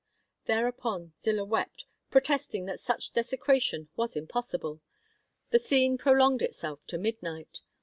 Thereupon Zillah wept, protesting that such desecration was impossible. The scene prolonged itself to midnight.